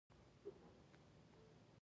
ده وویل له دنیا ترک کړه ما ورته په سر.